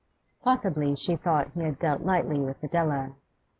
Possibly she thought he had dealt lightly with Adela.